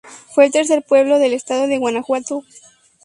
Fue el tercer pueblo del Estado de Guanajuato.